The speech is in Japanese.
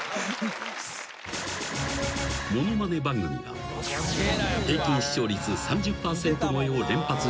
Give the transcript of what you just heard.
［ものまね番組が平均視聴率３０％超えを連発していた最盛期］